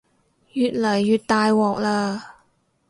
越嚟越大鑊喇